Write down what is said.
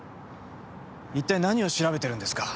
一体何を調べてるんですか？